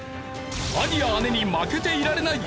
兄や姉に負けていられない！